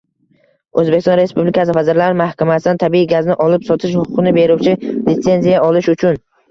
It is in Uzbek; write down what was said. O’zbekiston Respublikasi Vazirlar Mahkamasidan tabiiy gazni olib sotish huquqini beruvchi litsenziya olish uchun